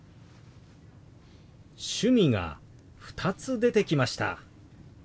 「趣味」が２つ出てきました。